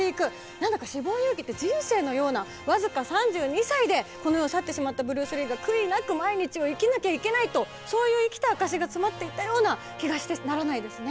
何だか「死亡遊戯」って人生のような僅か３２歳でこの世を去ってしまったブルース・リーが悔いなく毎日を生きなきゃいけないとそういう生きた証しが詰まっていたような気がしてならないですね。